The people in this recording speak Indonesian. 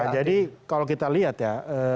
jadi kalau kita lihat ya